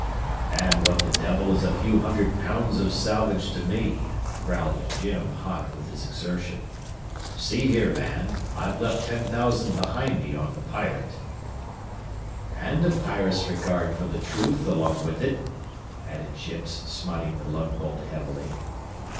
"And what the devil is a few hundred pounds of salvage to me?" growled Jim, hot with his exertion. "See here, man! I've left ten thousand behind me on the Pirate." "And a pious regard fer the truth along wid it," added Chips, smiting the lug bolt heavily.